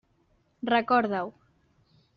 Recorda-ho.